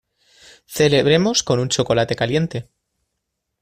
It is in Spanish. Celebremos con un chocolate caliente.